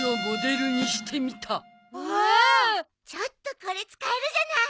ちょっとこれ使えるじゃない！